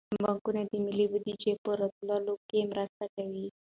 بانکونه د ملي بودیجې په راټولولو کې مرسته کوي.